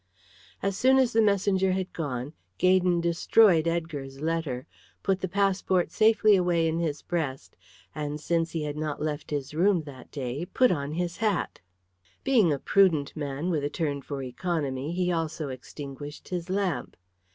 As soon as the messenger had gone, Gaydon destroyed Edgar's letter, put the passport safely away in his breast, and since he had not left his room that day, put on his hat. Being a prudent man with a turn for economy, he also extinguished his lamp.